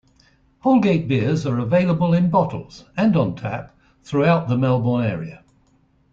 Holgate beers are available in bottles and on tap throughout the Melbourne area.